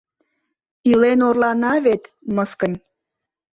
Илен орлана вет, мыскынь!